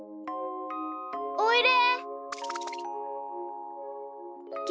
おいで？